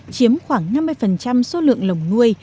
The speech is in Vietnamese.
chiếm khoảng năm mươi số lượng lồng nuôi